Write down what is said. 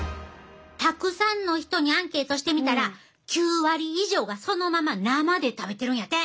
たくさんの人にアンケートしてみたら９割以上がそのまま生で食べてるんやて。